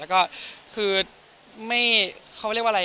คือไม่เขาเรียกว่าอะไรอ่ะ